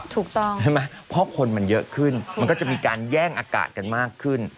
ถูกต้องใช่ไหมเพราะคนมันเยอะขึ้นมันก็จะมีการแย่งอากาศกันมากขึ้น